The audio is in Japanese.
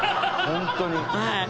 本当に。